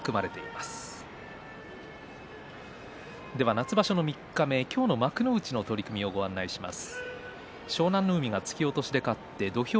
夏場所三日目、今日の幕内の取組をご案内します。